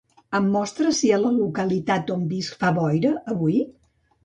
Em mostres si a la localitat on visc fa boira avui?